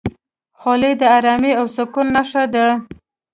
خولۍ د ارامۍ او سکون نښه ده.